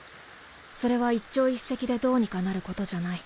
それは一朝一夕でどうにかなることじゃない。